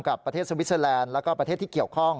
กับประเทศสวิสเตอร์แลนด์แล้วก็ประเทศที่เกี่ยวข้อง